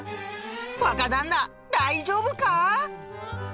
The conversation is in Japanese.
若旦那大丈夫か？